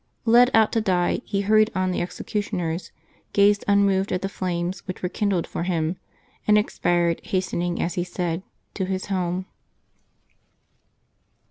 Led out to die, he hurried on the executioners, gazed unmoved at the flames which were kindled for him, and expired, hastening, as he said, to his home.